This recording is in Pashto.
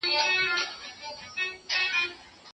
که استاد مخکي ولاړ نه سي نو وروسته به پاتې سي.